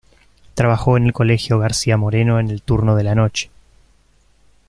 Trabajó en el colegio García Moreno en el turno de la noche.